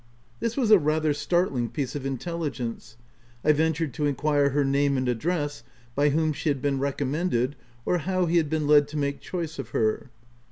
This was a rather startling piece of intelligence. 1 ventured to inquire her name and address, by whom she had been recommended, or how he had been led to make choice of her.